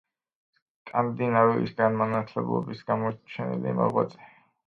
სკანდინავიის განმანათლებლობის გამოჩენილი მოღვაწე.